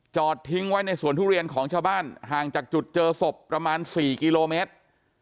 ทิ้งไว้ในสวนทุเรียนของชาวบ้านห่างจากจุดเจอศพประมาณ๔กิโลเมตร